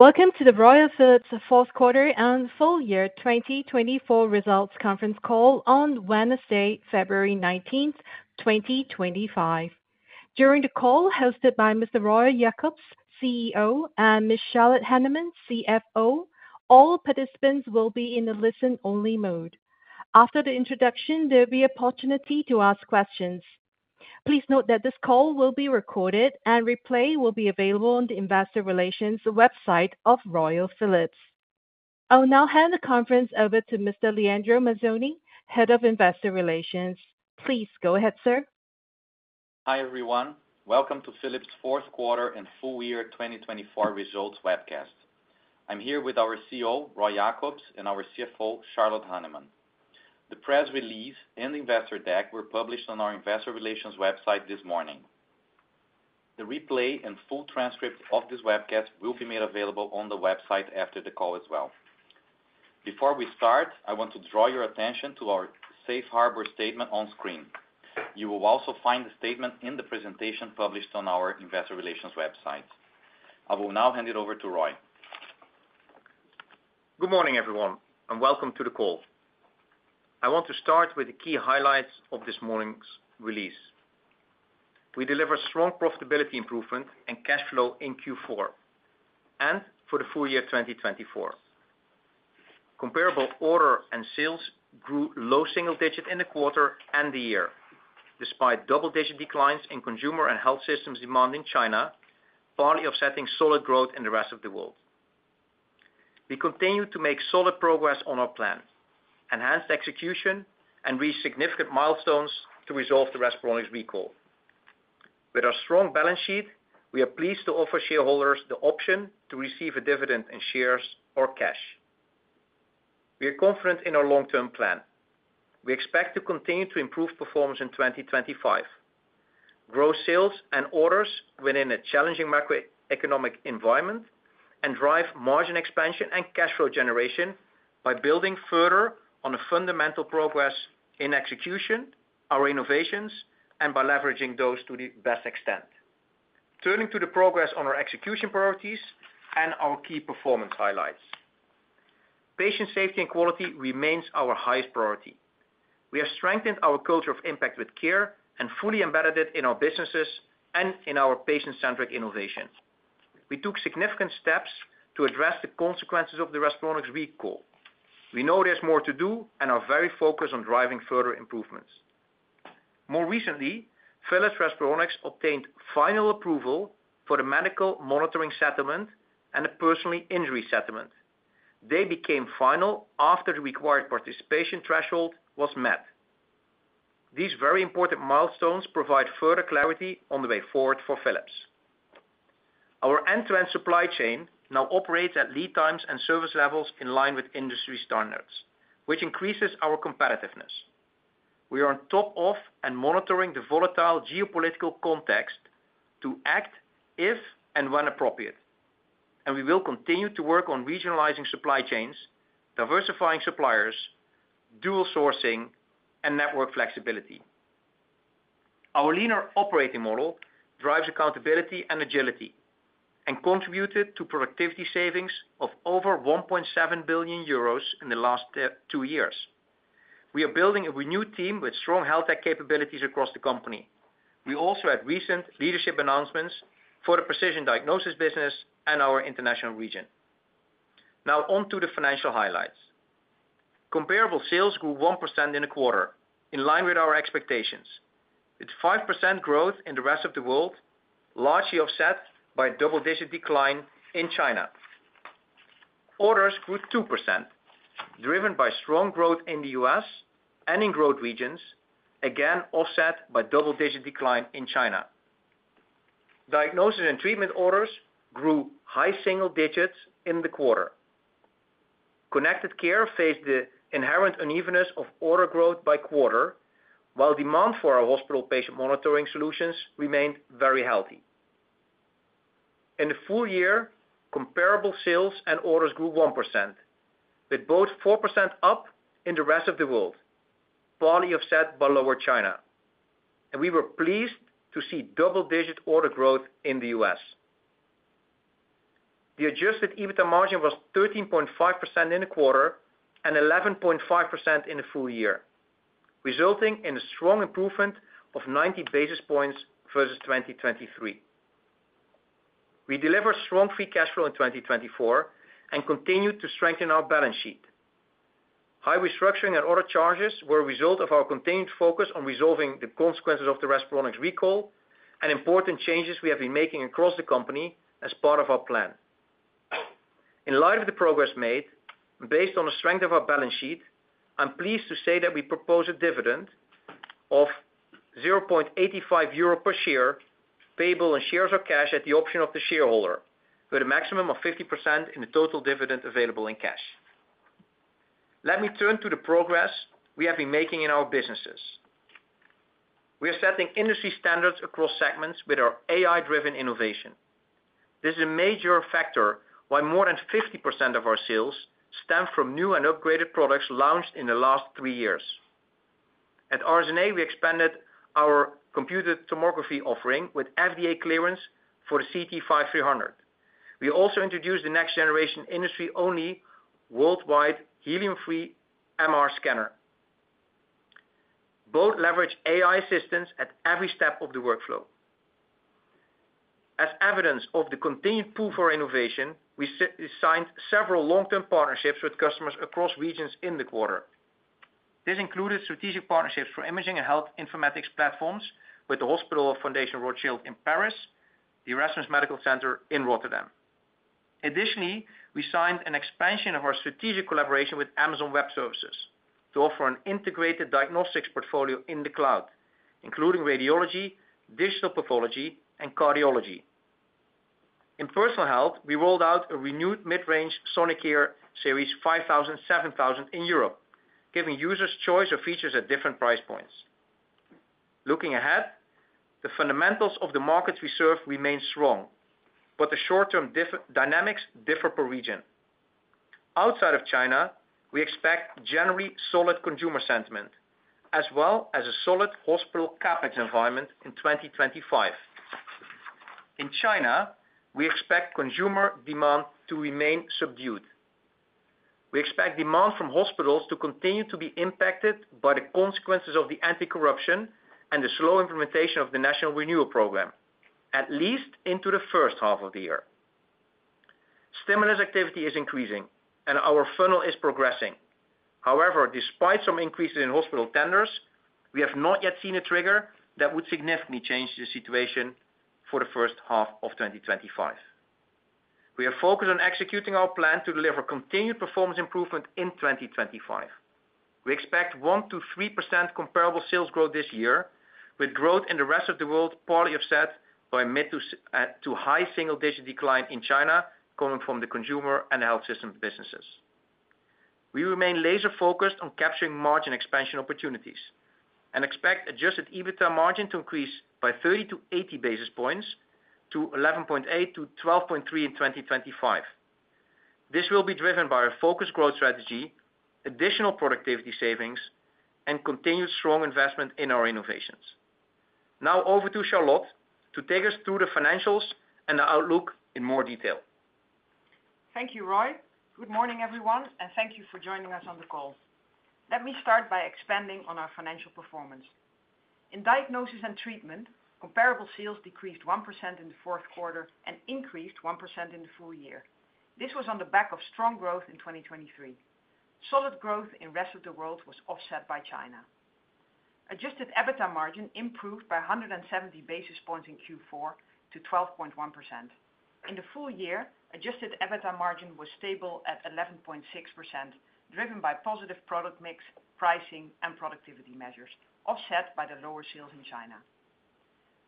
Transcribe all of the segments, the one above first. Welcome to the Royal Philips fourth quarter and full year 2024 Results Conference call on Wednesday, February 19th, 2025. During the call, hosted by Mr. Roy Jakobs, CEO, and Ms. Charlotte Hanneman, CFO, all participants will be in a listen-only mode. After the introduction, there will be an opportunity to ask questions. Please note that this call will be recorded, and a replay will be available on the Investor Relations website of Royal Philips. I will now hand the conference over to Mr. Leandro Mazzoni, Head of Investor Relations. Please go ahead, sir. Hi everyone. Welcome to Philips' fourth quarter and full year 2024 results webcast. I'm here with our CEO, Roy Jakobs, and our CFO, Charlotte Hanneman. The press release and investor deck were published on our Investor Relations website this morning. The replay and full transcript of this webcast will be made available on the website after the call as well. Before we start, I want to draw your attention to our Safe Harbor statement on screen. You will also find the statement in the presentation published on our Investor Relations website. I will now hand it over to Roy. Good morning, everyone, and welcome to the call. I want to start with the key highlights of this morning's release. We deliver strong profitability improvement and cash flow in Q4 and for the full-year 2024. Comparable order and sales grew low single digits in the quarter and the year, despite double-digit declines in consumer and health systems demand in China, partly offsetting solid growth in the rest of the world. We continue to make solid progress on our plan, enhanced execution, and reached significant milestones to resolve the rest of the recall. With our strong balance sheet, we are pleased to offer shareholders the option to receive a dividend in shares or cash. We are confident in our long-term plan. We expect to continue to improve performance in 2025, grow sales and orders within a challenging macroeconomic environment, and drive margin expansion and cash flow generation by building further on the fundamental progress in execution, our innovations, and by leveraging those to the best extent. Turning to the progress on our execution priorities and our key performance highlights. Patient safety and quality remains our highest priority. We have strengthened our culture of impact with care and fully embedded it in our businesses and in our patient-centric innovation. We took significant steps to address the consequences of the Respironics recall. We know there's more to do and are very focused on driving further improvements. More recently, Philips Respironics obtained final approval for the medical monitoring settlement and the personal injury settlement. They became final after the required participation threshold was met. These very important milestones provide further clarity on the way forward for Philips. Our end-to-end supply chain now operates at lead times and service levels in line with industry standards, which increases our competitiveness. We are on top of and monitoring the volatile geopolitical context to act if and when appropriate, and we will continue to work on regionalizing supply chains, diversifying suppliers, dual sourcing, and network flexibility. Our leaner operating model drives accountability and agility and contributed to productivity savings of over 1.7 billion euros in the last two years. We are building a renewed team with strong HealthTech capabilities across the company. We also had recent leadership announcements for the Precision Diagnosis business and our international region. Now on to the financial highlights. Comparable sales grew 1% in the quarter, in line with our expectations, with 5% growth in the rest of the world, largely offset by a double-digit decline in China. Orders grew 2%, driven by strong growth in the U.S. and in growth regions, again offset by double-digit decline in China. Diagnosis and Treatment orders grew high single digits in the quarter. Connected Care faced the inherent unevenness of order growth by quarter, while demand for our hospital patient monitoring solutions remained very healthy. In the full year, comparable sales and orders grew 1%, with both 4% up in the rest of the world, partly offset by lower China, and we were pleased to see double-digit order growth in the U.S.. The Adjusted EBITDA margin was 13.5% in the quarter and 11.5% in the full year, resulting in a strong improvement of 90 basis points versus 2023. We delivered strong free cash flow in 2024 and continued to strengthen our balance sheet. High restructuring and order charges were a result of our continued focus on resolving the consequences of the Respironics recall and important changes we have been making across the company as part of our plan. In light of the progress made, based on the strength of our balance sheet, I'm pleased to say that we propose a dividend of €0.85 per share payable in shares or cash at the option of the shareholder, with a maximum of 50% in the total dividend available in cash. Let me turn to the progress we have been making in our businesses. We are setting industry standards across segments with our AI-driven innovation. This is a major factor why more than 50% of our sales stem from new and upgraded products launched in the last three years. At RSNA, we expanded our computed tomography offering with FDA clearance for the CT 5300. We also introduced the next-generation industry-only worldwide helium-free MR scanner. Both leverage AI assistance at every step of the workflow. As evidence of the continued pull for innovation, we signed several long-term partnerships with customers across regions in the quarter. This included strategic partnerships for imaging and health informatics platforms with the Fondation Adolphe de Rothschild Hospital in Paris, the Erasmus Medical Center in Rotterdam. Additionally, we signed an expansion of our strategic collaboration with Amazon Web Services to offer an integrated diagnostics portfolio in the cloud, including radiology, digital pathology, and cardiology. In personal health, we rolled out a renewed mid-range Sonicare Series 5000/7000 in Europe, giving users choice of features at different price points. Looking ahead, the fundamentals of the markets we serve remain strong, but the short-term dynamics differ per region. Outside of China, we expect generally solid consumer sentiment, as well as a solid hospital CapEx environment in 2025. In China, we expect consumer demand to remain subdued. We expect demand from hospitals to continue to be impacted by the consequences of the anti-corruption and the slow implementation of the national renewal program, at least into the first half of the year. Stimulus activity is increasing, and our funnel is progressing. However, despite some increases in hospital tenders, we have not yet seen a trigger that would significantly change the situation for the first half of 2025. We are focused on executing our plan to deliver continued performance improvement in 2025. We expect 1%-3% comparable sales growth this year, with growth in the rest of the world partly offset by mid- to high-single-digit decline in China coming from the consumer and health system businesses. We remain laser-focused on capturing margin expansion opportunities and expect Adjusted EBITDA margin to increase by 30-80 basis points to 11.8%-12.3% in 2025. This will be driven by a focused growth strategy, additional productivity savings, and continued strong investment in our innovations. Now over to Charlotte to take us through the financials and the outlook in more detail. Thank you, Roy. Good morning, everyone, and thank you for joining us on the call. Let me start by expanding on our financial performance. In Diagnosis and Treatment, Comparable Sales decreased 1% in the fourth quarter and increased 1% in the full-year. This was on the back of strong growth in 2023. Solid growth in the rest of the world was offset by China. Adjusted EBITDA margin improved by 170 basis points in Q4 to 12.1%. In the full year, Adjusted EBITDA margin was stable at 11.6%, driven by positive product mix, pricing, and productivity measures, offset by the lower sales in China.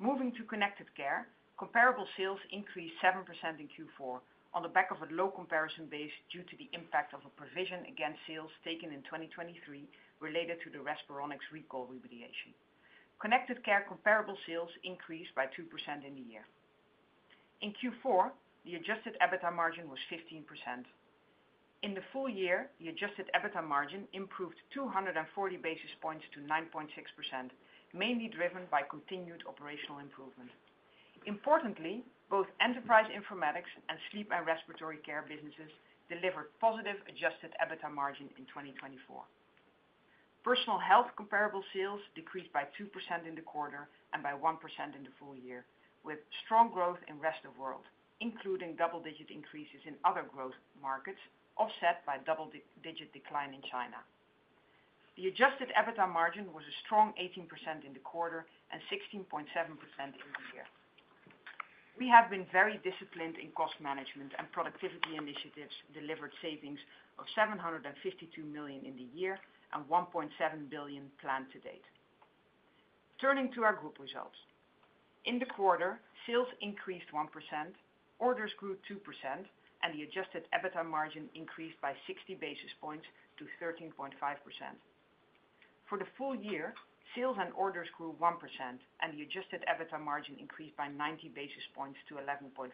Moving to Connected Care, Comparable Sales increased 7% in Q4 on the back of a low comparison base due to the impact of a provision against sales taken in 2023 related to the Respironics recall remediation. Connected Care Comparable Sales increased by 2% in the year. In Q4, the Adjusted EBITDA margin was 15%. In the full-year, the Adjusted EBITDA margin improved 240 basis points to 9.6%, mainly driven by continued operational improvement. Importantly, both enterprise informatics and sleep and respiratory care businesses delivered positive Adjusted EBITDA margin in 2024. Personal health comparable sales decreased by 2% in the quarter and by 1% in the full year, with strong growth in the rest of the world, including double-digit increases in other growth markets, offset by a double-digit decline in China. The Adjusted EBITDA margin was a strong 18% in the quarter and 16.7% in the year. We have been very disciplined in cost management and productivity initiatives, delivered savings of 752 million in the year and 1.7 billion planned to date. Turning to our group results, in the quarter, sales increased 1%, orders grew 2%, and the Adjusted EBITDA margin increased by 60 basis points to 13.5%. For the full year, sales and orders grew 1%, and the Adjusted EBITDA margin increased by 90 basis points to 11.5%.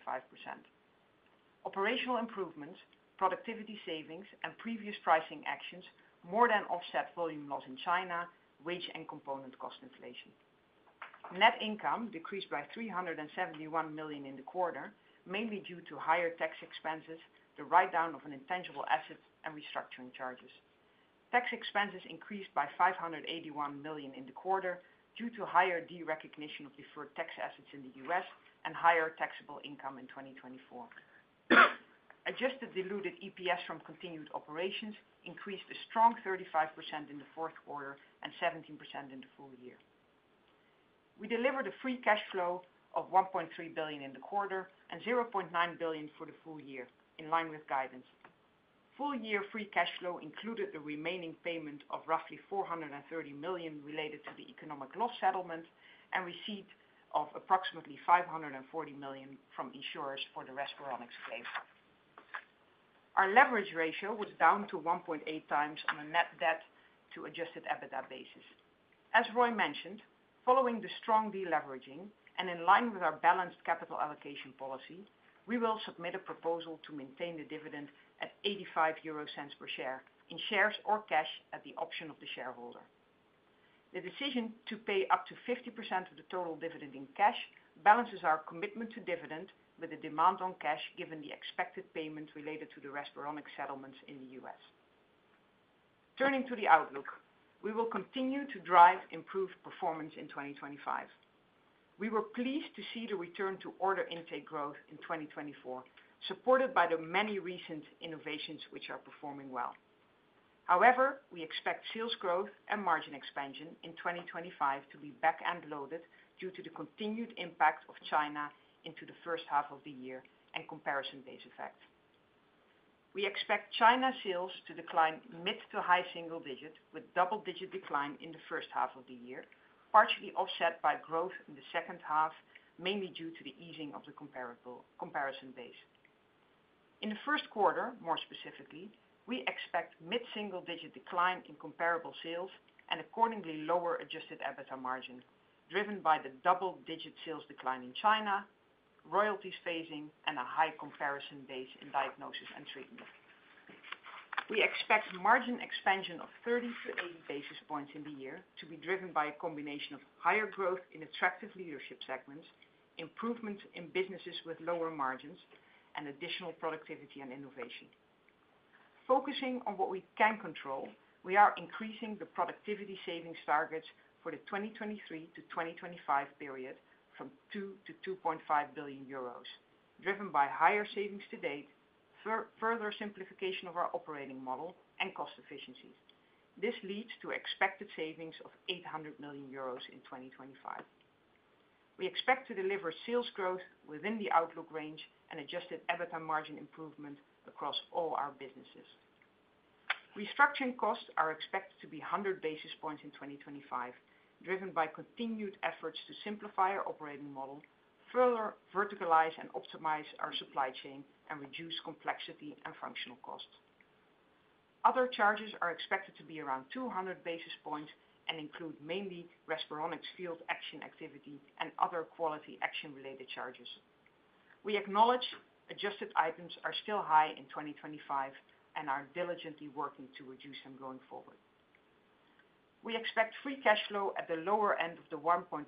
Operational improvements, productivity savings, and previous pricing actions more than offset volume loss in China, wage, and component cost inflation. Net income decreased by 371 million in the quarter, mainly due to higher tax expenses, the write-down of intangible assets, and restructuring charges. Tax expenses increased by 581 million in the quarter due to higher derecognition of deferred tax assets in the U.S. and higher taxable income in 2024. Adjusted diluted EPS from continued operations increased a strong 35% in the fourth quarter and 17% in the full year. We delivered a Free Cash Flow of 1.3 billion in the quarter and 0.9 billion for the full-year, in line with guidance. Full-year Free Cash Flow included the remaining payment of roughly 430 million related to the economic loss settlement and receipt of approximately 540 million from insurers for the Respironics claims. Our leverage ratio was down to 1.8 times on a net debt to Adjusted EBITDA basis. As Roy mentioned, following the strong deleveraging and in line with our balanced capital allocation policy, we will submit a proposal to maintain the dividend at 85 euro per share in shares or cash at the option of the shareholder. The decision to pay up to 50% of the total dividend in cash balances our commitment to dividend with the demand on cash given the expected payment related to the Respironics settlements in the U.S. Turning to the outlook, we will continue to drive improved performance in 2025. We were pleased to see the return to order intake growth in 2024, supported by the many recent innovations which are performing well. However, we expect sales growth and margin expansion in 2025 to be back-end loaded due to the continued impact of China into the first half of the year and comparison base effect. We expect China sales to decline mid to high single digit with double-digit decline in the first half of the year, partially offset by growth in the second half, mainly due to the easing of the comparison base. In the first quarter, more specifically, we expect mid single digit decline in comparable sales and accordingly lower Adjusted EBITDA margin, driven by the double-digit sales decline in China, royalties phasing, and a high comparison base in diagnosis and treatment. We expect margin expansion of 30 to 80 basis points in the year to be driven by a combination of higher growth in attractive leadership segments, improvement in businesses with lower margins, and additional productivity and innovation. Focusing on what we can control, we are increasing the productivity savings targets for the 2023 to 2025 period from €2-€2.5 billion, driven by higher savings to date, further simplification of our operating model, and cost efficiencies. This leads to expected savings of €800 million in 2025. We expect to deliver sales growth within the outlook range and Adjusted EBITDA margin improvement across all our businesses. Restructuring costs are expected to be 100 basis points in 2025, driven by continued efforts to simplify our operating model, further verticalize and optimize our supply chain, and reduce complexity and functional costs. Other charges are expected to be around 200 basis points and include mainly Respironics field action activity and other quality action-related charges. We acknowledge adjusted items are still high in 2025 and are diligently working to reduce them going forward. We expect Free Cash Flow at the lower end of the €1.4-€1.6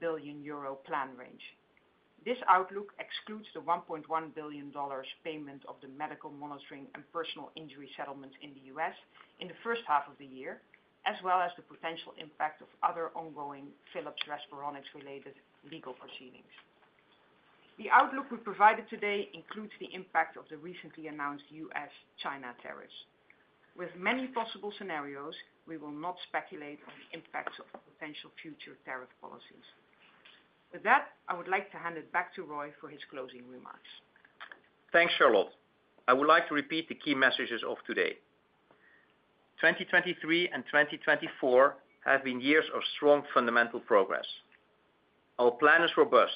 billion plan range. This outlook excludes the $1.1 billion payment of the medical monitoring and personal injury settlements in the U.S. in the first half of the year, as well as the potential impact of other ongoing Philips Respironics-related legal proceedings. The outlook we provided today includes the impact of the recently announced U.S.-China tariffs. With many possible scenarios, we will not speculate on the impacts of potential future tariff policies. With that, I would like to hand it back to Roy for his closing remarks. Thanks, Charlotte. I would like to repeat the key messages of today. 2023 and 2024 have been years of strong fundamental progress. Our plan is robust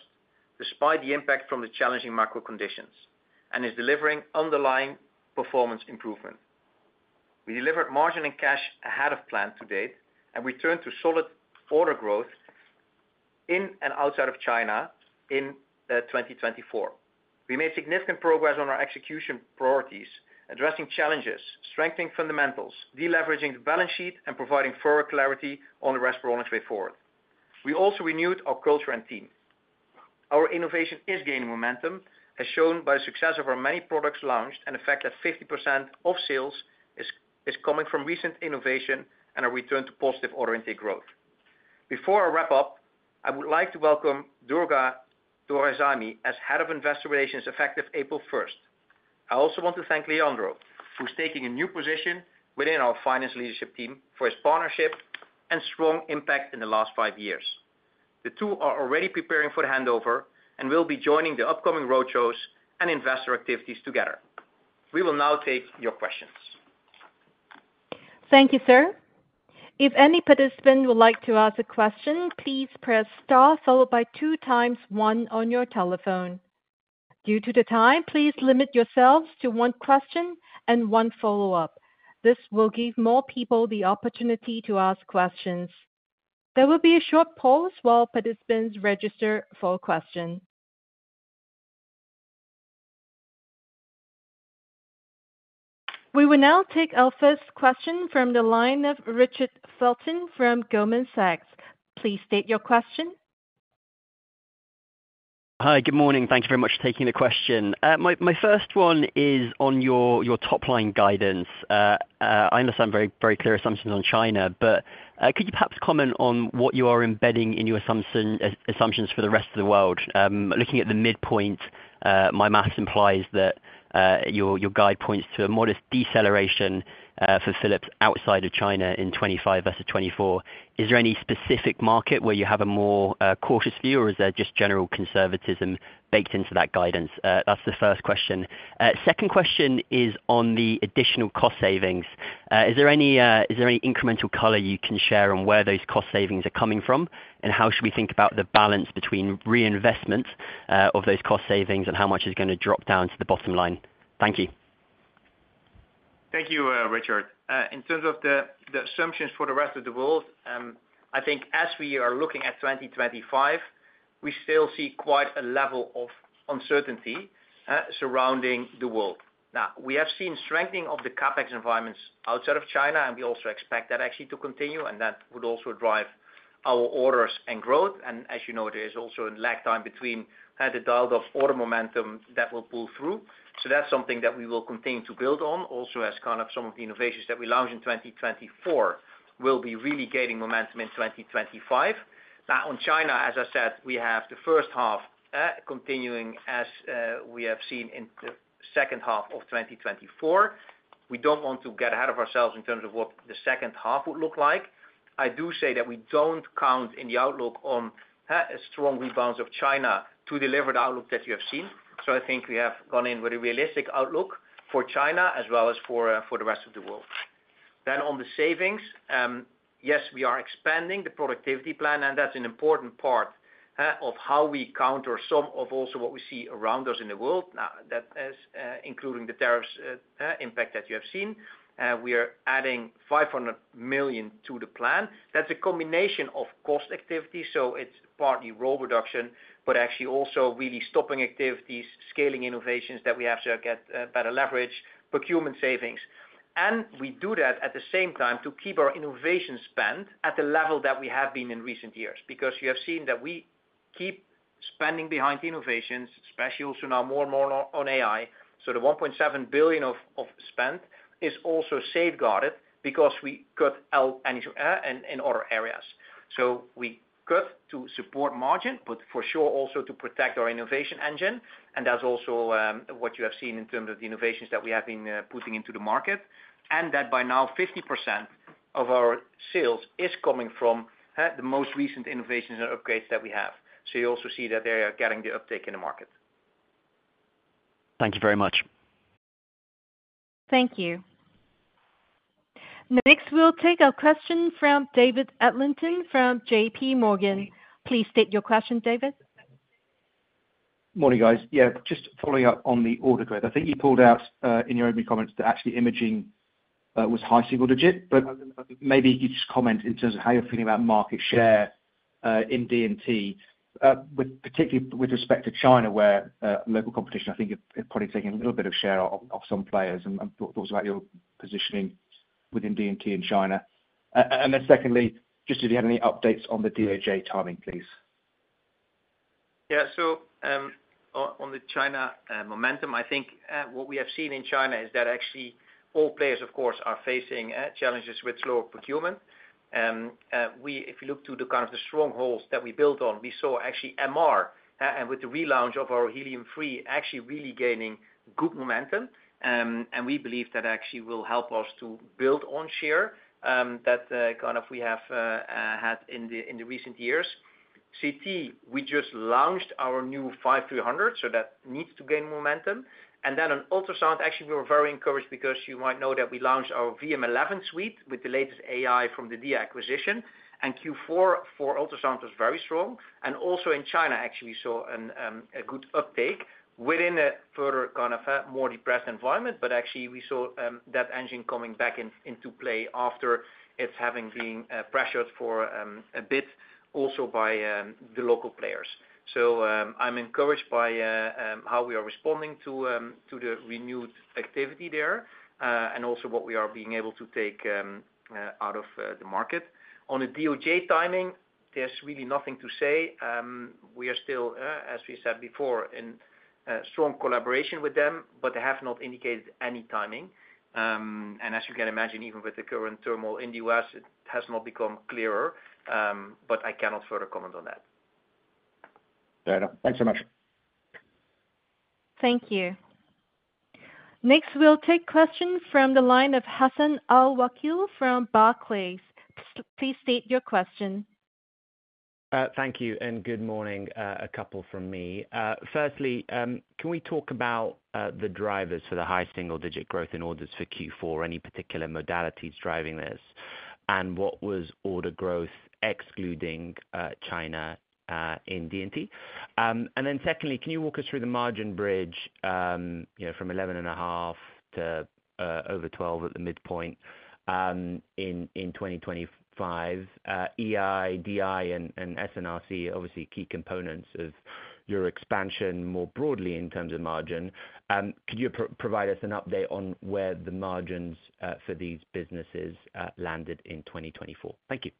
despite the impact from the challenging macro conditions and is delivering underlying performance improvement. We delivered margin and cash ahead of plan to date, and we turned to solid order growth in and outside of China in 2024. We made significant progress on our execution priorities, addressing challenges, strengthening fundamentals, deleveraging the balance sheet, and providing further clarity on the Respironics way forward. We also renewed our culture and team. Our innovation is gaining momentum, as shown by the success of our many products launched and the fact that 50% of sales is coming from recent innovation and a return to positive order intake growth. Before I wrap up, I would like to welcome Durga Doraisamy as head of investor relations effective April 1st. I also want to thank Leandro, who's taking a new position within our finance leadership team for his partnership and strong impact in the last five years. The two are already preparing for the handover and will be joining the upcoming roadshows and investor activities together. We will now take your questions. Thank you, sir. If any participant would like to ask a question, please press star followed by two times one on your telephone. Due to the time, please limit yourselves to one question and one follow-up. This will give more people the opportunity to ask questions. There will be a short pause while participants register for a question. We will now take our first question from the line of Richard Felton from Goldman Sachs. Please state your question. Hi, good morning. Thank you very much for taking the question. My first one is on your top-line guidance. I understand very clear assumptions on China, but could you perhaps comment on what you are embedding in your assumptions for the rest of the world? Looking at the midpoint, my math implies that your guide points to a modest deceleration for Philips outside of China in 2025 versus 2024. Is there any specific market where you have a more cautious view, or is there just general conservatism baked into that guidance? That's the first question. Second question is on the additional cost savings. Is there any incremental color you can share on where those cost savings are coming from, and how should we think about the balance between reinvestment of those cost savings and how much is going to drop down to the bottom line? Thank you. Thank you, Richard. In terms of the assumptions for the rest of the world, I think as we are looking at 2025, we still see quite a level of uncertainty surrounding the world. Now, we have seen strengthening of the CapEx environments outside of China, and we also expect that actually to continue, and that would also drive our orders and growth. And as you know, there is also a lag time between the build-up of order momentum that will pull through, so that's something that we will continue to build on, also as kind of some of the innovations that we launched in 2024 will be really gaining momentum in 2025. Now, on China, as I said, we have the first half continuing as we have seen in the second half of 2024. We don't want to get ahead of ourselves in terms of what the second half would look like. I do say that we don't count in the outlook on a strong rebound of China to deliver the outlook that you have seen. So I think we have gone in with a realistic outlook for China as well as for the rest of the world. Then on the savings, yes, we are expanding the productivity plan, and that's an important part of how we counter some of also what we see around us in the world. Now, that is including the tariffs impact that you have seen. We are adding €500 million to the plan. That's a combination of cost activity, so it's partly role reduction, but actually also really stopping activities, scaling innovations that we have to get better leverage, procurement savings. And we do that at the same time to keep our innovation spend at the level that we have been in recent years, because you have seen that we keep spending behind innovations, especially also now more and more on AI. So the 1.7 billion of spend is also safeguarded because we cut in other areas. So we cut to support margin, but for sure also to protect our innovation engine. And that's also what you have seen in terms of the innovations that we have been putting into the market, and that by now 50% of our sales is coming from the most recent innovations and upgrades that we have. So you also see that they are getting the uptake in the market. Thank you very much. Thank you. Next, we'll take a question from David Adlington from JPMorgan. Please state your question, David. Morning, guys. Yeah, just following up on the order growth. I think you pulled out in your opening comments that actually imaging was high single digit, but maybe you could just comment in terms of how you're feeling about market share in D&T, particularly with respect to China, where local competition, I think, is probably taking a little bit of share off some players. And thoughts about your positioning within D&T in China? And then secondly, just if you had any updates on the DOJ timing, please. Yeah, so on the China momentum, I think what we have seen in China is that actually all players, of course, are facing challenges with slower procurement. If you look to the kind of the strongholds that we built on, we saw actually MR and with the relaunch of our helium-free actually really gaining good momentum. We believe that actually will help us to build on share that kind of we have had in the recent years. CT, we just launched our new 5300, so that needs to gain momentum. On ultrasound, actually we were very encouraged because you might know that we launched our VM11 suite with the latest AI from the acquisition. Q4 for ultrasound was very strong. Also in China, actually, we saw a good uptake within a further kind of a more depressed environment, but actually we saw that engine coming back into play after it's having been pressured for a bit also by the local players. So I'm encouraged by how we are responding to the renewed activity there and also what we are being able to take out of the market. On the DOJ timing, there's really nothing to say. We are still, as we said before, in strong collaboration with them, but they have not indicated any timing. As you can imagine, even with the current turmoil in the U.S., it has not become clearer, but I cannot further comment on that. Yeah, no, thanks so much. Thank you. Next, we'll take questions from the line of Hassan Al-Wakeel from Barclays. Please state your question. Thank you and good morning, a couple from me. Firstly, can we talk about the drivers for the high single-digit growth in orders for Q4, any particular modalities driving this, and what was order growth excluding China in D&T? And then secondly, can you walk us through the margin bridge from 11.5 to over 12 at the midpoint in 2025? EI, DI, and S&RC, obviously key components of your expansion more broadly in terms of margin. Could you provide us an update on where the margins for these businesses landed in 2024? Thank you.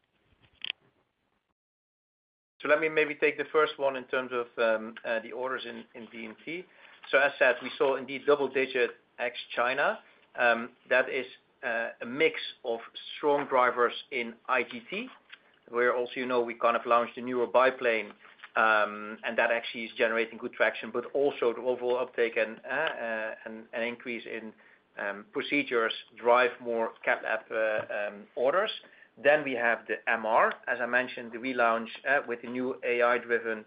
So let me maybe take the first one in terms of the orders in D&T. So as I said, we saw indeed double digit ex China. That is a mix of strong drivers in IGT, where also you know we kind of launched a newer biplane, and that actually is generating good traction, but also the overall uptake and increase in procedures drive more cath lab orders. Then we have the MR. As I mentioned, the relaunch with the new AI-driven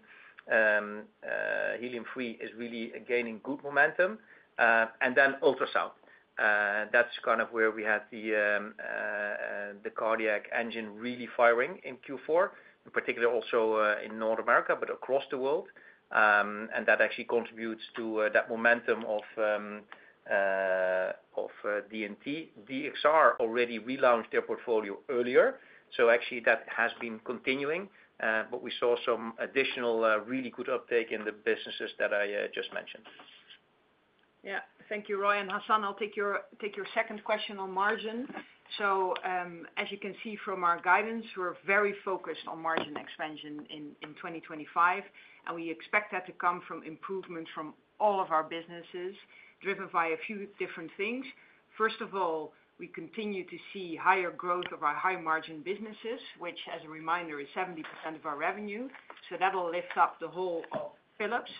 helium-free is really gaining good momentum. And then ultrasound. That's kind of where we had the cardiac engine really firing in Q4, in particular also in North America, but across the world. And that actually contributes to that momentum of D&T. DXR already relaunched their portfolio earlier. So actually that has been continuing, but we saw some additional really good uptake in the businesses that I just mentioned. Yeah, thank you, Roy. And Hassan, I'll take your second question on margin. So as you can see from our guidance, we're very focused on margin expansion in 2025, and we expect that to come from improvements from all of our businesses driven by a few different things. First of all, we continue to see higher growth of our high margin businesses, which, as a reminder, is 70% of our revenue. So that'll lift up the whole of Philips.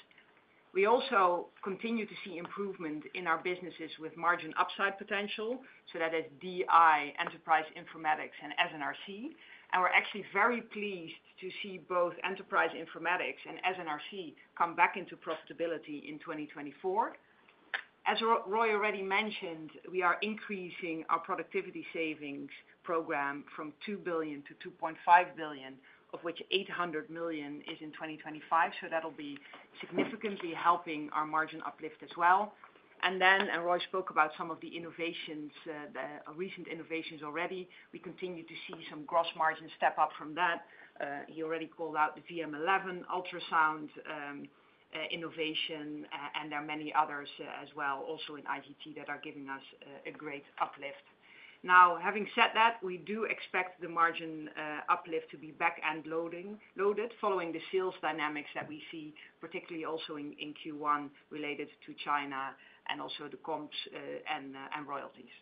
We also continue to see improvement in our businesses with margin upside potential. So that is D&T, Enterprise Informatics, and SRC. And we're actually very pleased to see both Enterprise Informatics and SRC come back into profitability in 2024. As Roy already mentioned, we are increasing our productivity savings program from €2 billion-€2.5 billion, of which €800 million is in 2025. So that'll be significantly helping our margin uplift as well. And then, Roy spoke about some of the innovations, recent innovations already. We continue to see some gross margin step up from that. He already called out the VM11 ultrasound innovation, and there are many others as well, also in IGT that are giving us a great uplift. Now, having said that, we do expect the margin uplift to be back-end loaded following the sales dynamics that we see, particularly also in Q1 related to China and also the comps and royalties.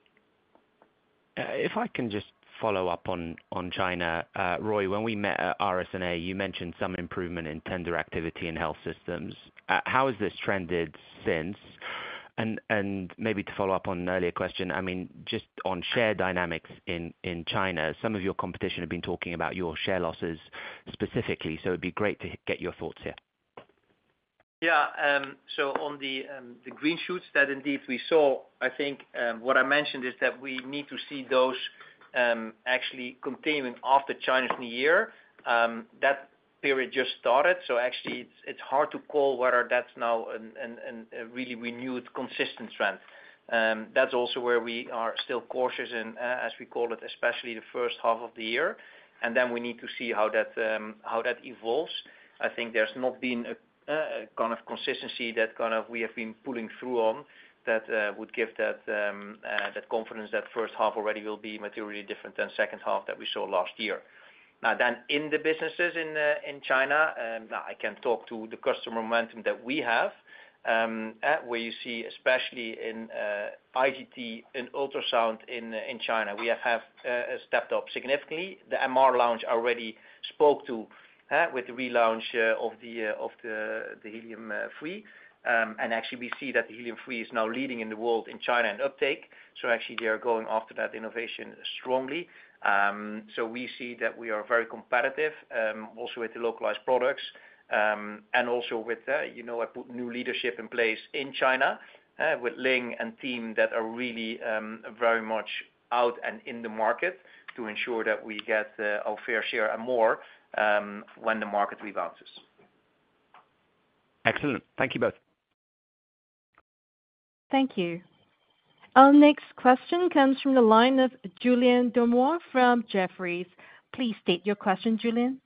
If I can just follow up on China, Roy, when we met at RSNA, you mentioned some improvement in tender activity in health systems. How has this trended since, and maybe to follow up on an earlier question, I mean, just on share dynamics in China, some of your competition have been talking about your share losses specifically. So it'd be great to get your thoughts here. Yeah, so on the green shoots that indeed we saw, I think what I mentioned is that we need to see those actually continuing after Chinese New Year. That period just started, so actually, it's hard to call whether that's now a really renewed consistent trend. That's also where we are still cautious in, as we call it, especially the first half of the year, and then we need to see how that evolves. I think there's not been a kind of consistency that kind of we have been pulling through on that would give that confidence that first half already will be materially different than second half that we saw last year. Now, then in the businesses in China, I can talk to the customer momentum that we have, where you see especially in IGT and ultrasound in China, we have stepped up significantly. The MR launch already spoke to with the relaunch of the helium-free. Actually, we see that the helium-free is now leading in the world in China in uptake. So actually, they are going after that innovation strongly. So we see that we are very competitive also with the localized products and also with the new leadership in place in China with Ling and team that are really very much out and in the market to ensure that we get our fair share and more when the market rebounds. Excellent. Thank you both. Thank you. Our next question comes from the line of Julien Dormois from Jefferies. Please state your question, Julien.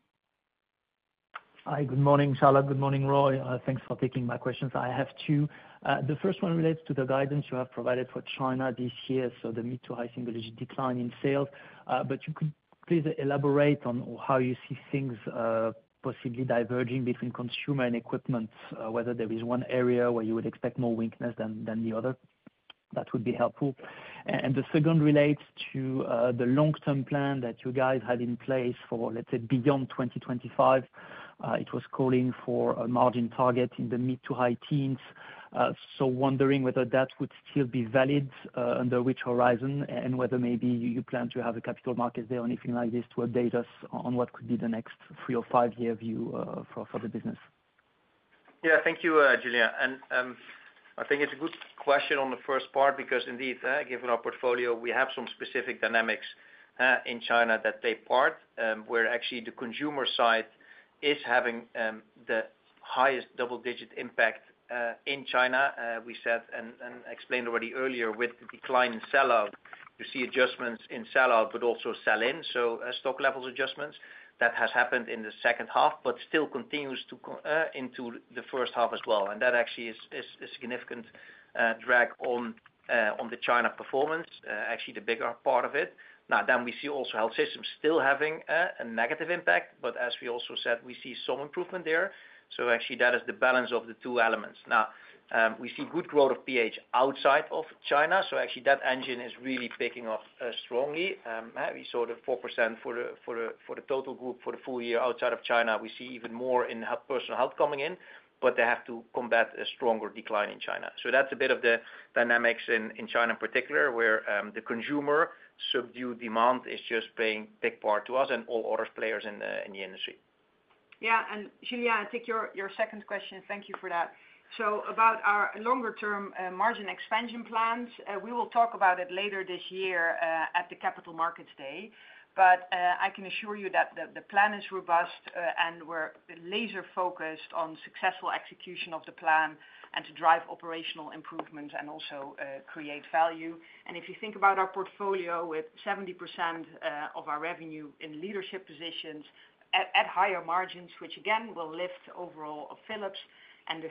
Hi, good morning, Charlotte. Good morning, Roy. Thanks for taking my questions. I have two. The first one relates to the guidance you have provided for China this year, so the mid- to high-single-digit decline in sales, but you could please elaborate on how you see things possibly diverging between consumer and equipment, whether there is one area where you would expect more weakness than the other. That would be helpful, and the second relates to the long-term plan that you guys have in place for, let's say, beyond 2025. It was calling for a margin target in the mid- to high-teens, so wondering whether that would still be valid under which horizon and whether maybe you plan to have a capital markets day or anything like this to update us on what could be the next three- or five-year view for the business. Yeah, thank you, Julien. And I think it's a good question on the first part because indeed, given our portfolio, we have some specific dynamics in China that they part where actually the consumer side is having the highest double-digit impact in China. We said and explained already earlier with the decline in sellout, you see adjustments in sellout, but also sell-in, so stock levels adjustments. That has happened in the second half, but still continues into the first half as well. And that actually is a significant drag on the China performance, actually the bigger part of it. Now, then we see also health systems still having a negative impact, but as we also said, we see some improvement there. So actually, that is the balance of the two elements. Now, we see good growth of PH outside of China. So actually, that engine is really picking up strongly. We saw the 4% for the total group for the full year outside of China. We see even more in personal health coming in, but they have to combat a stronger decline in China. So that's a bit of the dynamics in China in particular, where the consumer subdued demand is just playing a big part to us and all other players in the industry. Yeah. And Julien, I take your second question. Thank you for that. So about our longer-term margin expansion plans, we will talk about it later this year at the Capital Markets Day. But I can assure you that the plan is robust and we're laser-focused on successful execution of the plan and to drive operational improvements and also create value. And if you think about our portfolio with 70% of our revenue in leadership positions at higher margins, which again will lift overall of Philips and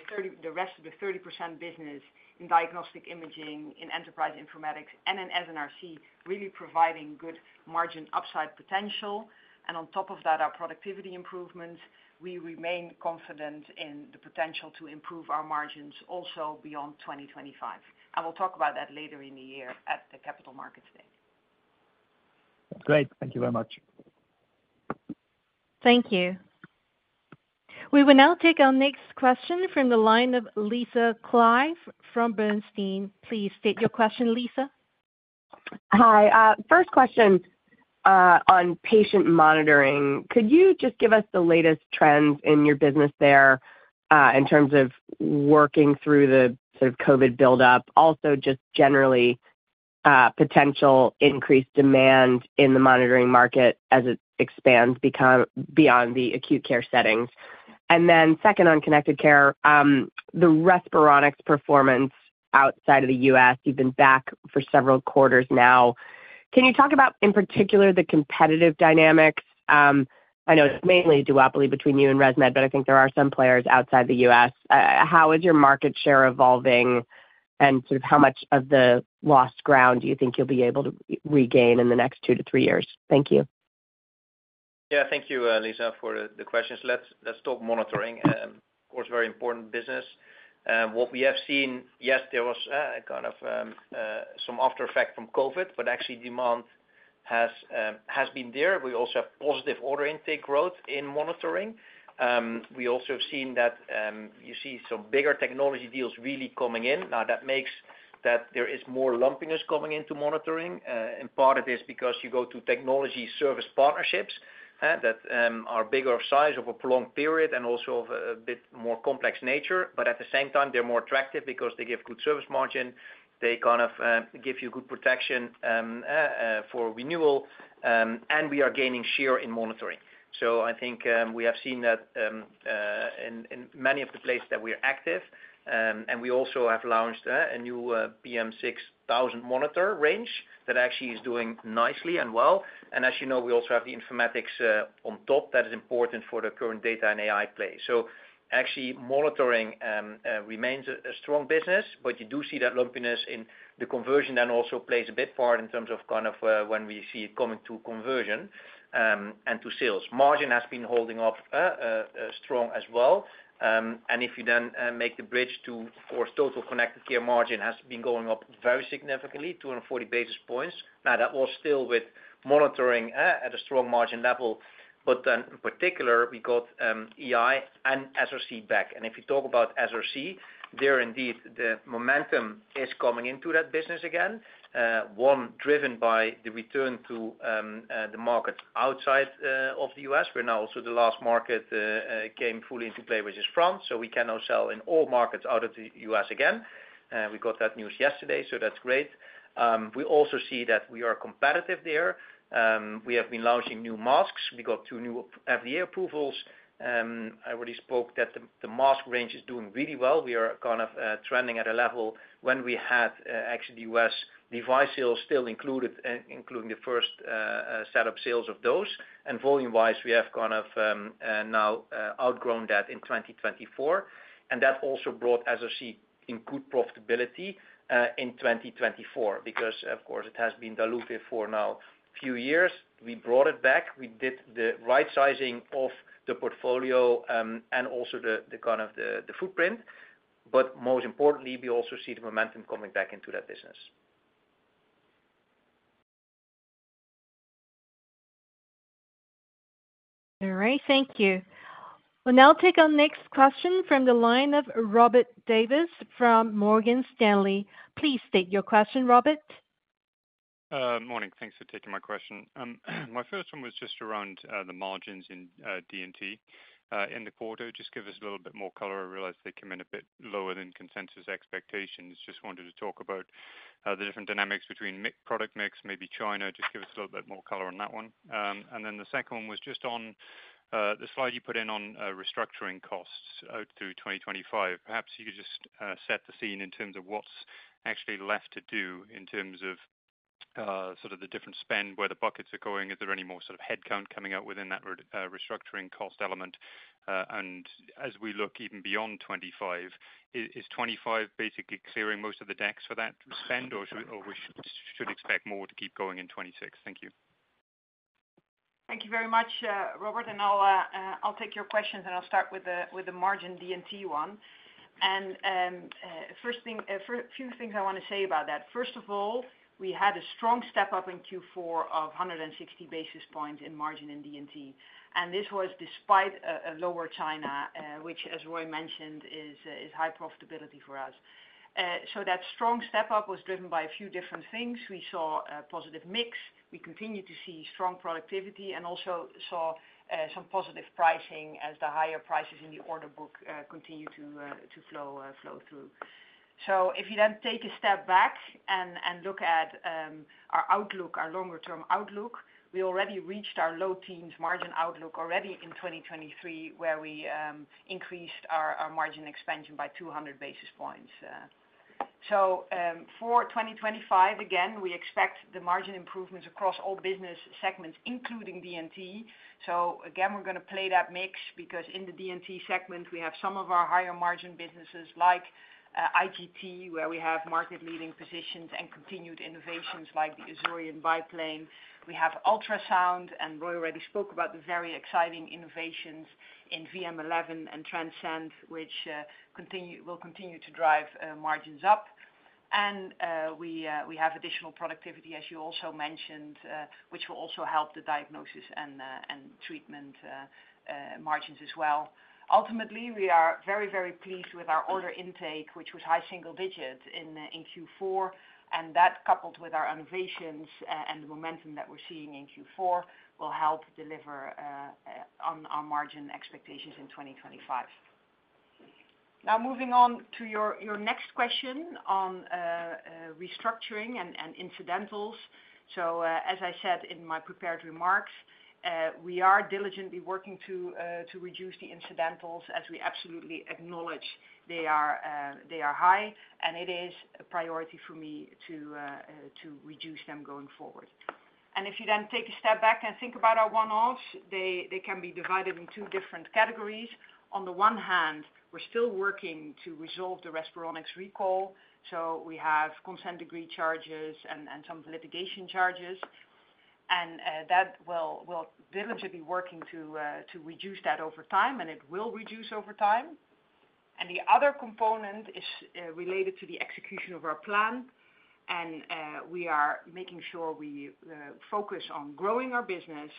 the rest of the 30% business in diagnostic imaging, in enterprise informatics, and in SRC, really providing good margin upside potential. And on top of that, our productivity improvements, we remain confident in the potential to improve our margins also beyond 2025. And we'll talk about that later in the year at the Capital Markets Day. Great. Thank you very much. Thank you. We will now take our next question from the line of Lisa Clive from Bernstein. Please state your question, Lisa. Hi. First question on patient monitoring. Could you just give us the latest trends in your business there in terms of working through the sort of COVID buildup, also just generally potential increased demand in the monitoring market as it expands beyond the acute care settings? And then second on connected care, the Respironics performance outside of the U.S., you've been back for several quarters now. Can you talk about in particular the competitive dynamics? I know it's mainly duopoly between you and ResMed, but I think there are some players outside the U.S. How is your market share evolving and sort of how much of the lost ground do you think you'll be able to regain in the next two to three years? Thank you. Yeah, thank you, Lisa, for the questions. Let's talk monitoring. Of course, very important business. What we have seen, yes, there was kind of some aftereffect from COVID, but actually demand has been there. We also have positive order intake growth in monitoring. We also have seen that you see some bigger technology deals really coming in. Now, that makes that there is more lumpiness coming into monitoring, and part of it is because you go to technology service partnerships that are bigger size over a prolonged period and also of a bit more complex nature, but at the same time, they're more attractive because they give good service margin. They kind of give you good protection for renewal, and we are gaining share in monitoring, so I think we have seen that in many of the places that we are active. And we also have launched a new BM6000 monitor range that actually is doing nicely and well. And as you know, we also have the informatics on top that is important for the current data and AI play. So actually monitoring remains a strong business, but you do see that lumpiness in the conversion then also plays a bit part in terms of kind of when we see it coming to conversion and to sales. Margin has been holding up strong as well. And if you then make the bridge to, of course, total connected care margin has been going up very significantly, 240 basis points. Now, that was still with monitoring at a strong margin level. But then in particular, we got EI and SRC back. If you talk about SRC, there, indeed, the momentum is coming into that business again, one driven by the return to the markets outside of the U.S. We're now also the last market came fully into play, which is France. So we can now sell in all markets out of the U.S. again. We got that news yesterday, so that's great. We also see that we are competitive there. We have been launching new masks. We got two new FDA approvals. I already spoke that the mask range is doing really well. We are kind of trending at a level when we had actually the U.S. device sales still included, including the first set of sales of those. And volume-wise, we have kind of now outgrown that in 2024. That also brought SRC into good profitability in 2024 because, of course, it has been diluted for now a few years. We brought it back. We did the right sizing of the portfolio and also the kind of the footprint. But most importantly, we also see the momentum coming back into that business. All right. Thank you. We'll now take our next question from the line of Robert Davies from Morgan Stanley. Please state your question, Robert. Morning. Thanks for taking my question. My first one was just around the margins in D&T in the quarter. Just give us a little bit more color. I realize they came in a bit lower than consensus expectations. Just wanted to talk about the different dynamics between product mix, maybe China. Just give us a little bit more color on that one. And then the second one was just on the slide you put in on restructuring costs through 2025. Perhaps you could just set the scene in terms of what's actually left to do in terms of sort of the different spend, where the buckets are going. Is there any more sort of headcount coming out within that restructuring cost element? And as we look even beyond 2025, is 2025 basically clearing most of the decks for that spend, or we should expect more to keep going in 2026? Thank you. Thank you very much, Robert, and I'll take your questions and I'll start with the margin D&T one, and first thing, a few things I want to say about that. First of all, we had a strong step up in Q4 of 160 basis points in margin in D&T, and this was despite a lower China, which, as Roy mentioned, is high profitability for us. So that strong step up was driven by a few different things. We saw a positive mix. We continue to see strong productivity and also saw some positive pricing as the higher prices in the order book continue to flow through. So if you then take a step back and look at our outlook, our longer-term outlook, we already reached our low teens margin outlook already in 2023, where we increased our margin expansion by 200 basis points. So for 2025, again, we expect the margin improvements across all business segments, including D&T. So again, we're going to play that mix because in the D&T segment, we have some of our higher margin businesses like IGT, where we have market-leading positions and continued innovations like the Azurion biplane. We have ultrasound, and Roy already spoke about the very exciting innovations in VM11 and Transcend, which will continue to drive margins up. And we have additional productivity, as you also mentioned, which will also help the diagnosis and treatment margins as well. Ultimately, we are very, very pleased with our order intake, which was high single-digit in Q4. And that, coupled with our innovations and the momentum that we're seeing in Q4, will help deliver on our margin expectations in 2025. Now, moving on to your next question on restructuring and incidentals. So, as I said in my prepared remarks, we are diligently working to reduce the incidentals as we absolutely acknowledge they are high. And it is a priority for me to reduce them going forward. And if you then take a step back and think about our one-offs, they can be divided in two different categories. On the one hand, we're still working to resolve the Respironics recall. So we have consent decree charges and some litigation charges. And that will diligently be working to reduce that over time, and it will reduce over time. And the other component is related to the execution of our plan. And we are making sure we focus on growing our business,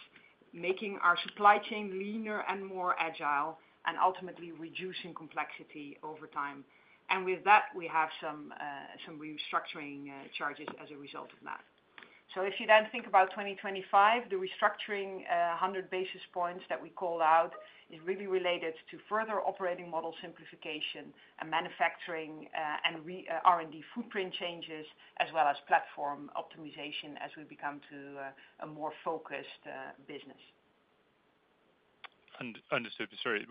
making our supply chain leaner and more agile, and ultimately reducing complexity over time. And with that, we have some restructuring charges as a result of that. So if you then think about 2025, the restructuring 100 basis points that we call out is really related to further operating model simplification and manufacturing and R&D footprint changes, as well as platform optimization as we become to a more focused business. Understood. Sorry.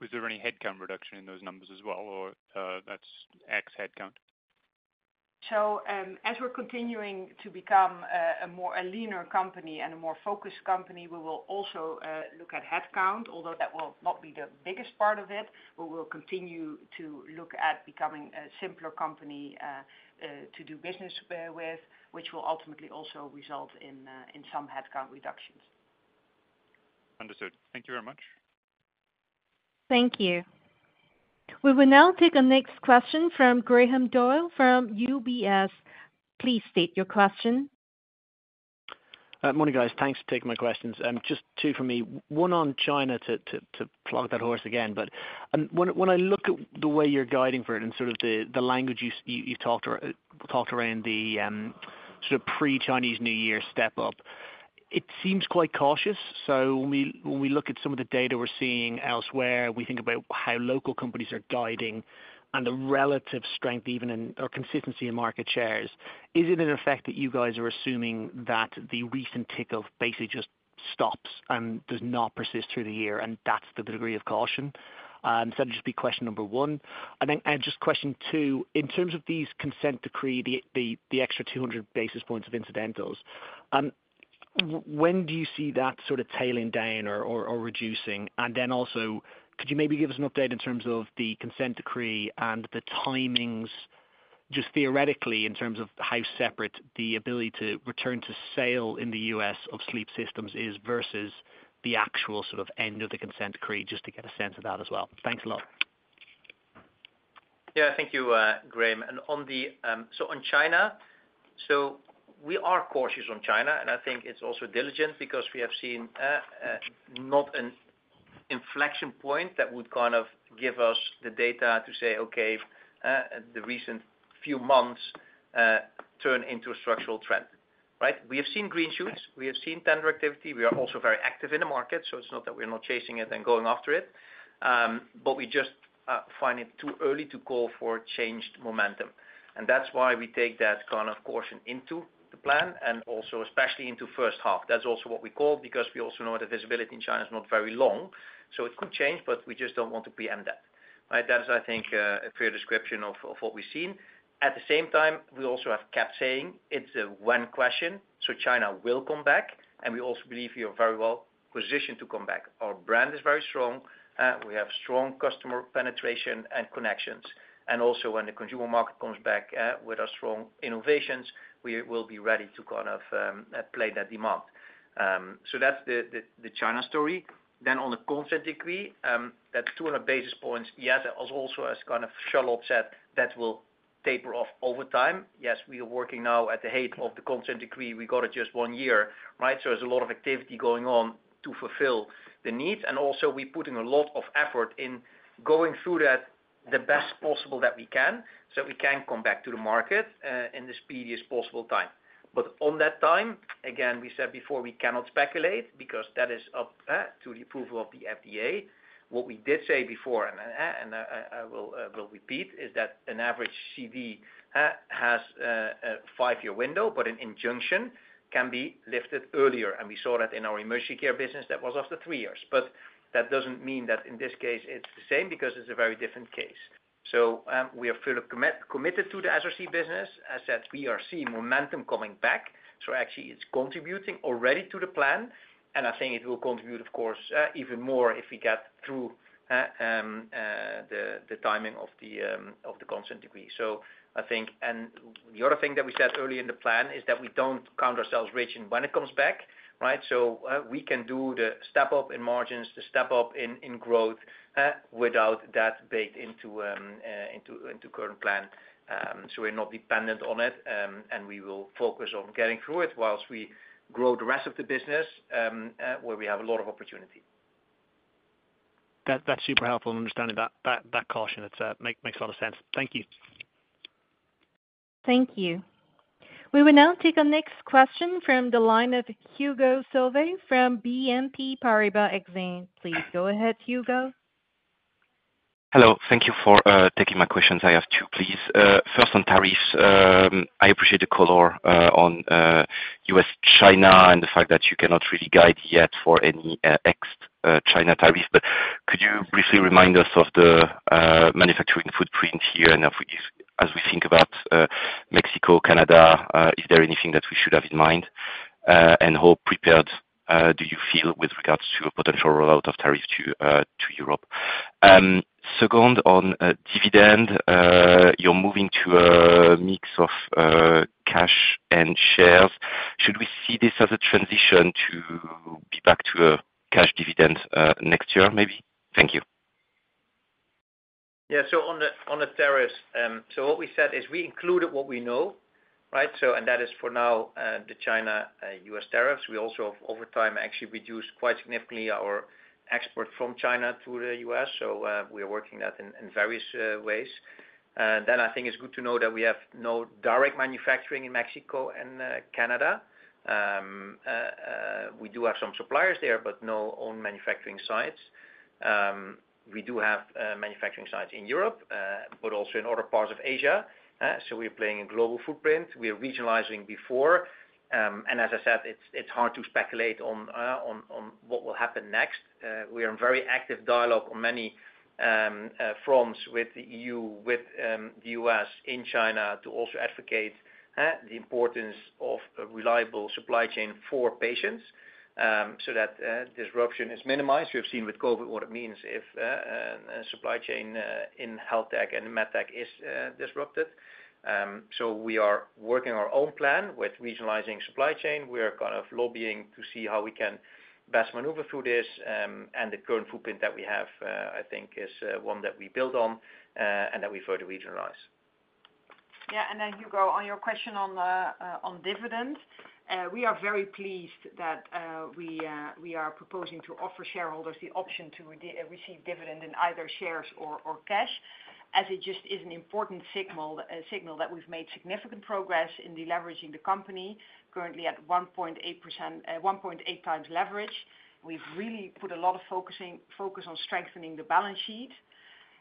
Was there any headcount reduction in those numbers as well, or that's ex-headcount? So as we're continuing to become a leaner company and a more focused company, we will also look at headcount, although that will not be the biggest part of it. We will continue to look at becoming a simpler company to do business with, which will ultimately also result in some headcount reductions. Understood. Thank you very much. Thank you. We will now take our next question from Graham Doyle from UBS. Please state your question. Morning, guys. Thanks for taking my questions. Just two for me. One on China, to beat that horse again. But when I look at the way you're guiding for it and sort of the language you've talked around the sort of pre-Chinese New Year step up, it seems quite cautious. So when we look at some of the data we're seeing elsewhere, we think about how local companies are guiding and the relative strength, even, or consistency in market shares. Is it an effect that you guys are assuming that the recent trickle basically just stops and does not persist through the year? And that's the degree of caution. That would just be question number one. And then just question two, in terms of these Consent Decree, the extra 200 basis points of incrementals, when do you see that sort of tailing down or reducing? And then also, could you maybe give us an update in terms of the Consent Decree and the timings, just theoretically, in terms of how separate the ability to return to sale in the U.S. of Sleep Systems is versus the actual sort of end of the Consent Decree, just to get a sense of that as well? Thanks a lot. Yeah, thank you, Graham. And so, on China, so we are cautious on China. And I think it's also diligent because we have seen not an inflection point that would kind of give us the data to say, "Okay, the recent few months turn into a structural trend." Right? We have seen green shoots. We have seen tender activity. We are also very active in the market. So it's not that we're not chasing it and going after it. But we just find it too early to call for changed momentum. And that's why we take that kind of caution into the plan and also especially into first half. That's also what we call because we also know the visibility in China is not very long. So it could change, but we just don't want to preempt that. Right? That is, I think, a fair description of what we've seen. At the same time, we also have kept saying it's a one question. So China will come back. And we also believe we are very well positioned to come back. Our brand is very strong. We have strong customer penetration and connections. And also, when the consumer market comes back with our strong innovations, we will be ready to kind of play that demand. So that's the China story. Then on the Consent Decree, that 200 basis points, yes, also as kind of Charlotte said, that will taper off over time. Yes, we are working now at the height of the Consent Decree. We got it just one year. Right? So there's a lot of activity going on to fulfill the needs. And also, we're putting a lot of effort in going through that the best possible that we can so we can come back to the market in the speediest possible time. But on that time, again, we said before, we cannot speculate because that is up to the approval of the FDA. What we did say before, and I will repeat, is that an average CD has a five-year window, but an injunction can be lifted earlier. And we saw that in our emergency care business that was after three years. But that doesn't mean that in this case, it's the same because it's a very different case. So we are fully committed to the SRC business. As I said, we are seeing momentum coming back. So actually, it's contributing already to the plan. And I think it will contribute, of course, even more if we get through the timing of the Consent Decree. So I think, and the other thing that we said early in the plan is that we don't count ourselves rich when it comes back. Right? So we can do the step up in margins, the step up in growth without that baked into current plan. So we're not dependent on it. And we will focus on getting through it whilst we grow the rest of the business where we have a lot of opportunity. That's super helpful in understanding that caution. It makes a lot of sense. Thank you. Thank you. We will now take our next question from the line of Hugo Solvet from BNP Paribas Exane. Please go ahead, Hugo. Hello. Thank you for taking my questions. I have two, please. First, on tariffs, I appreciate the color on U.S.-China and the fact that you cannot really guide yet for any ex-China tariffs. But could you briefly remind us of the manufacturing footprint here? And as we think about Mexico, Canada, is there anything that we should have in mind? And how prepared do you feel with regards to a potential rollout of tariffs to Europe? Second, on dividend, you're moving to a mix of cash and shares. Should we see this as a transition to be back to a cash dividend next year, maybe? Thank you. Yeah. So on the tariffs, so what we said is we included what we know. Right? And that is for now the China-U.S. tariffs. We also, over time, actually reduced quite significantly our export from China to the US. So we are working that in various ways. Then I think it's good to know that we have no direct manufacturing in Mexico and Canada. We do have some suppliers there, but no own manufacturing sites. We do have manufacturing sites in Europe, but also in other parts of Asia. So we are playing a global footprint. We are regionalizing before. And as I said, it's hard to speculate on what will happen next. We are in very active dialogue on many fronts with the EU, with the US, in China to also advocate the importance of a reliable supply chain for patients so that disruption is minimized. We have seen with COVID what it means if a supply chain in HealthTech and MedTech is disrupted. So we are working our own plan with regionalizing supply chain. We are kind of lobbying to see how we can best maneuver through this. And the current footprint that we have, I think, is one that we build on and that we further regionalize. Yeah, and then, Hugo, on your question on dividends, we are very pleased that we are proposing to offer shareholders the option to receive dividends in either shares or cash, as it just is an important signal that we've made significant progress in deleveraging the company currently at 1.8%, 1.8 times leverage. We've really put a lot of focus on strengthening the balance sheet.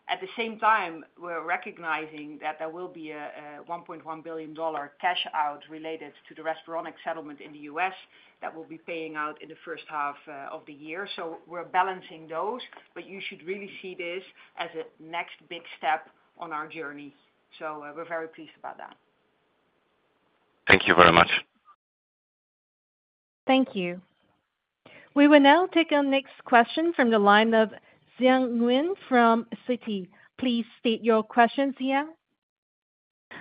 At the same time, we're recognizing that there will be a $1.1 billion cash out related to the Respironics settlement in the U.S. that we'll be paying out in the first half of the year, so we're balancing those, but you should really see this as a next big step on our journey, so we're very pleased about that. Thank you very much. Thank you. We will now take our next question from the line of Siang Ng from Citi. Please state your question, Siang.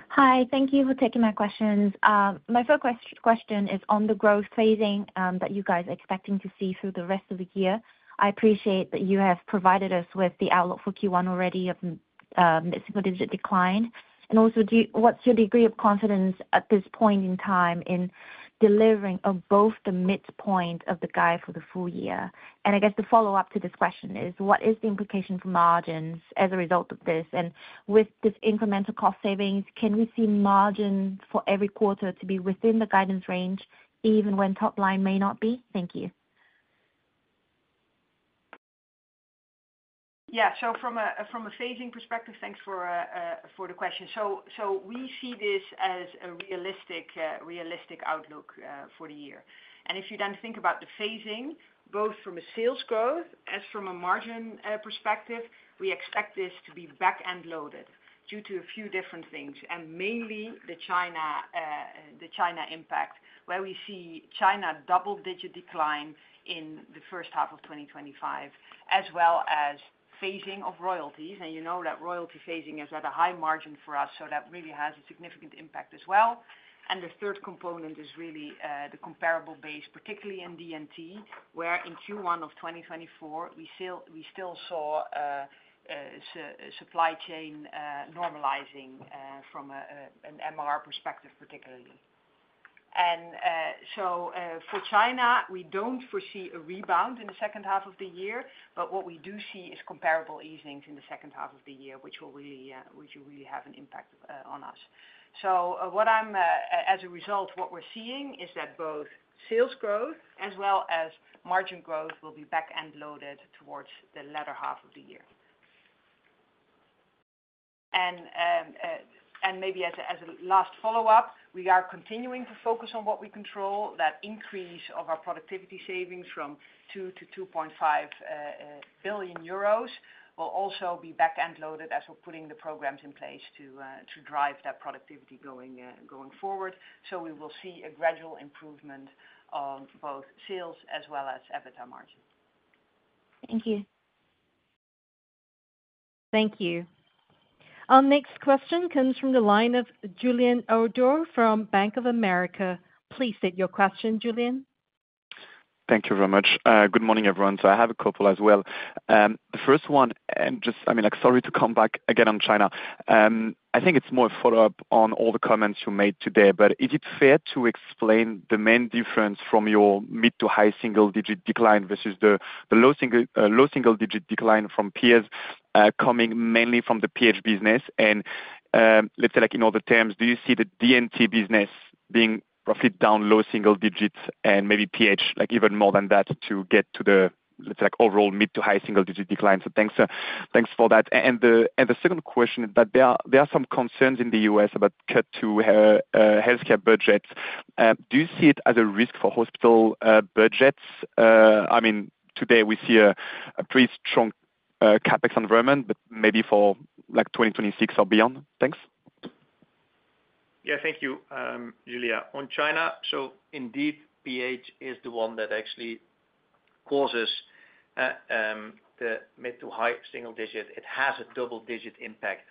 Hi. Thank you for taking my questions. My first question is on the growth phasing that you guys are expecting to see through the rest of the year. I appreciate that you have provided us with the outlook for Q1 already of the single-digit decline. And also, what's your degree of confidence at this point in time in delivering on both the midpoint of the guide for the full-year? And I guess the follow-up to this question is, what is the implication for margins as a result of this? And with this incremental cost savings, can we see margin for every quarter to be within the guidance range even when top line may not be? Thank you. Yeah. So from a phasing perspective, thanks for the question. So we see this as a realistic outlook for the year. And if you then think about the phasing, both from a sales growth as from a margin perspective, we expect this to be back-end loaded due to a few different things, and mainly the China impact, where we see China double-digit decline in the first half of 2025, as well as phasing of royalties. And you know that royalty phasing has had a high margin for us. So that really has a significant impact as well. And the third component is really the comparable base, particularly in D&T, where in Q1 of 2024, we still saw supply chain normalizing from an MR perspective, particularly. And so for China, we don't foresee a rebound in the second half of the year. But what we do see is comparable easings in the second half of the year, which will really have an impact on us. So as a result, what we're seeing is that both sales growth as well as margin growth will be back-end loaded towards the latter half of the year. And maybe as a last follow-up, we are continuing to focus on what we control. That increase of our productivity savings from 2 billion to 2.5 billion euros will also be back-end loaded as we're putting the programs in place to drive that productivity going forward. So we will see a gradual improvement of both sales as well as EBITDA margin. Thank you. Thank you. Our next question comes from the line of Julien Ouaddour from Bank of America. Please state your question, Julien. Thank you very much. Good morning, everyone. So I have a couple as well. The first one, and just, I mean, sorry to come back again on China. I think it's more a follow-up on all the comments you made today. But is it fair to explain the main difference from your mid to high single-digit decline versus the low single-digit decline from peers coming mainly from the PH business? And let's say, in other terms, do you see the D&T business being roughly down low single digits and maybe PH even more than that to get to the, let's say, overall mid to high single-digit decline? So thanks for that. And the second question is that there are some concerns in the U.S. about cuts to healthcare budgets. Do you see it as a risk for hospital budgets? I mean, today, we see a pretty strong CapEx environment, but maybe for 2026 or beyond. Thanks. Yeah. Thank you, Julien. On China, so indeed, PH is the one that actually causes the mid to high single digit. It has a double-digit impact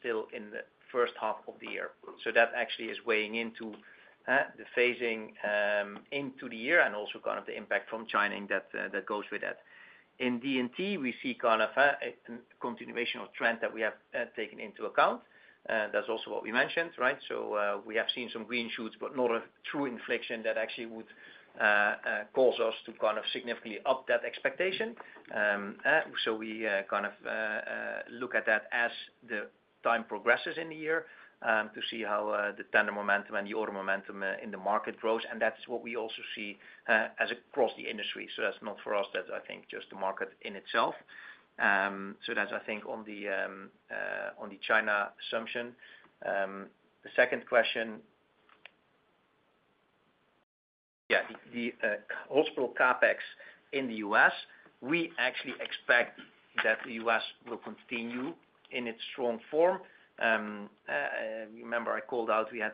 still in the first half of the year. So that actually is weighing into the phasing into the year and also kind of the impact from China that goes with that. In D&T, we see kind of a continuation of trend that we have taken into account. That's also what we mentioned. Right? So we have seen some green shoots, but not a true inflection that actually would cause us to kind of significantly up that expectation. So we kind of look at that as the time progresses in the year to see how the tender momentum and the order momentum in the market grows. And that's what we also see across the industry. So that's not for us. That's, I think, just the market in itself. So that's, I think, on the China assumption. The second question, yeah, the hospital CapEx in the U.S., we actually expect that the U.S. will continue in its strong form. Remember, I called out we had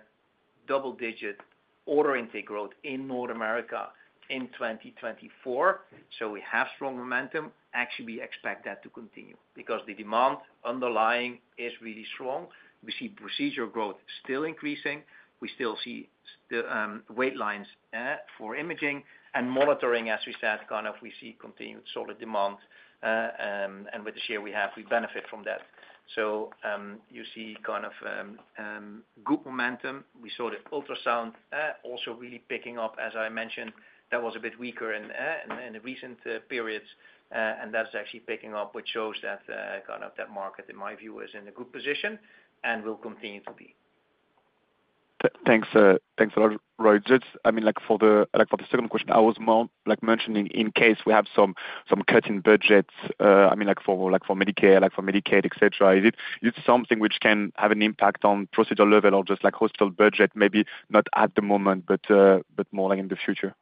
double-digit order intake growth in North America in 2024. So we have strong momentum. Actually, we expect that to continue because the demand underlying is really strong. We see procedure growth still increasing. We still see the wait lines for imaging and monitoring, as we said, kind of we see continued solid demand. And with the share we have, we benefit from that. So you see kind of good momentum. We saw the ultrasound also really picking up, as I mentioned. That was a bit weaker in the recent periods. That's actually picking up, which shows that kind of that market, in my view, is in a good position and will continue to be. Thanks, Roy. I mean, for the second question, I was mentioning in case we have some cutting budgets, I mean, for Medicare, for Medicaid, etc., is it something which can have an impact on procedure level or just hospital budget, maybe not at the moment, but more in the future?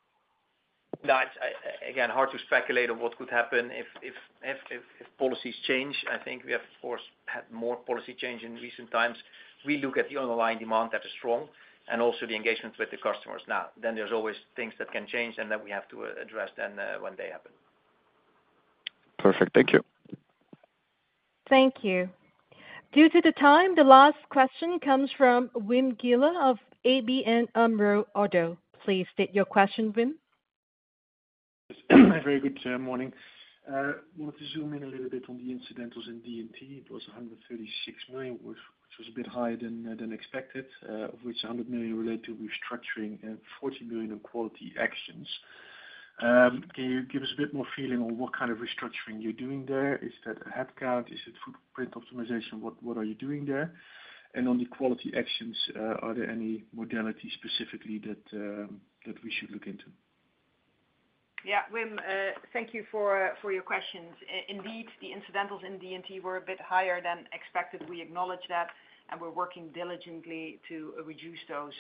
Again, hard to speculate on what could happen if policies change. I think we have, of course, had more policy change in recent times. We look at the underlying demand that is strong and also the engagement with the customers. Now, then there's always things that can change and that we have to address then when they happen. Perfect. Thank you. Thank you. Due to the time, the last question comes from Wim Gielen of ABN AMRO - ODDO BHF. Please state your question, Wim. Very good morning. I wanted to zoom in a little bit on the incidentals in D&T. It was 136 million, which was a bit higher than expected, of which 100 million related to restructuring and 40 million on quality actions. Can you give us a bit more feeling on what kind of restructuring you're doing there? Is that a headcount? Is it footprint optimization? What are you doing there? And on the quality actions, are there any modalities specifically that we should look into? Yeah. Wim, thank you for your questions. Indeed, the incidentals in D&T were a bit higher than expected. We acknowledge that, and we're working diligently to reduce those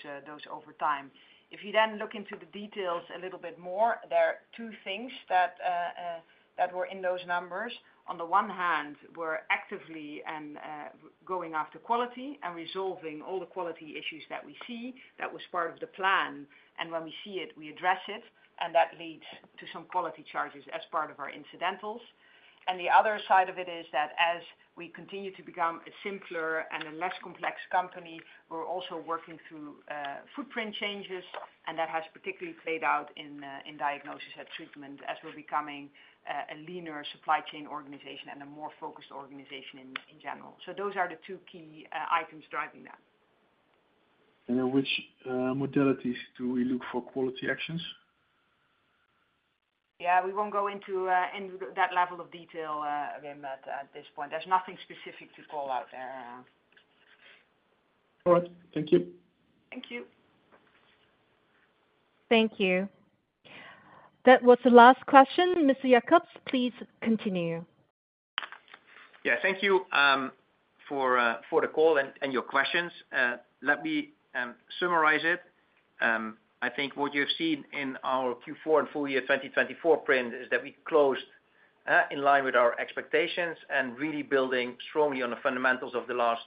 over time. If you then look into the details a little bit more, there are two things that were in those numbers. On the one hand, we're actively going after quality and resolving all the quality issues that we see. That was part of the plan, and when we see it, we address it. And that leads to some quality charges as part of our incidentals. The other side of it is that as we continue to become a simpler and less complex company, we're also working through footprint changes. And that has particularly played out in diagnosis and treatment as we're becoming a leaner supply chain organization and a more focused organization in general. So those are the two key items driving that. Which modalities do we look for quality actions? Yeah. We won't go into that level of detail, Wim, at this point. There's nothing specific to call out there. All right. Thank you. Thank you. Thank you. That was the last question. Mr. Jakobs, please continue. Yeah. Thank you for the call and your questions. Let me summarize it. I think what you have seen in our Q4 and full-year 2024 print is that we closed in line with our expectations and really building strongly on the fundamentals of the last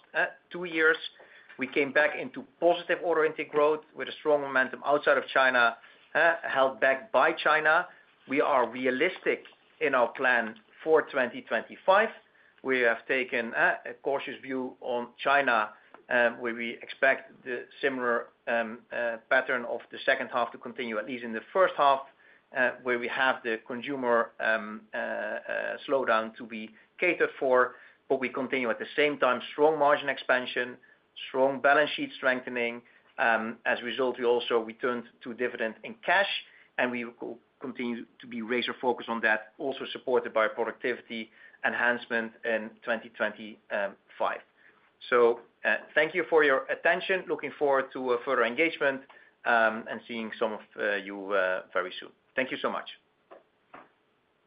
two years. We came back into positive order intake growth with a strong momentum outside of China, held back by China. We are realistic in our plan for 2025. We have taken a cautious view on China, where we expect the similar pattern of the second half to continue, at least in the first half, where we have the consumer slowdown to be catered for. But we continue, at the same time, strong margin expansion, strong balance sheet strengthening. As a result, we also returned to dividend in cash. We will continue to be razor-focused on that, also supported by productivity enhancement in 2025. Thank you for your attention. Looking forward to further engagement and seeing some of you very soon. Thank you so much.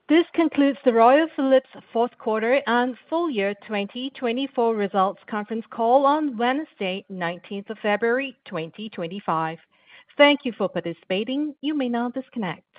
This concludes the Royal Philips fourth quarter and full year 2024 results conference call on Wednesday, February 19th, 2025. Thank you for participating. You may now disconnect.